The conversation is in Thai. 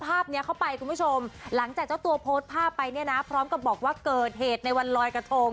ภาพนี้เข้าไปคุณผู้ชมหลังจากเจ้าตัวโพสต์ภาพไปเนี่ยนะพร้อมกับบอกว่าเกิดเหตุในวันลอยกระทง